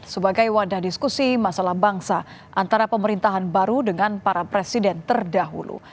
sebagai wadah diskusi masalah bangsa antara pemerintahan baru dengan para presiden terdahulu